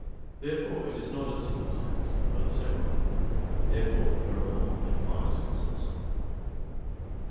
Therefore it is not a single sense but several. Therefore there are more than five senses.